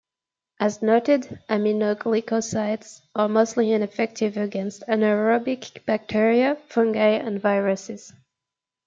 As noted, aminoglycosides are mostly ineffective against anaerobic bacteria, fungi, and viruses.